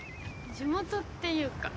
地元っていうか。